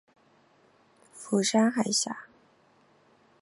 釜山海峡。